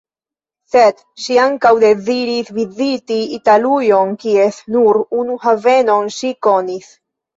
Sed ŝi ankaŭ deziris viziti Italujon, kies nur unu havenon ŝi konis.